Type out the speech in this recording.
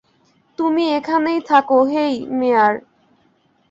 তুমি এখানেই থাক হেই, মেয়ার!